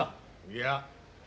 いや。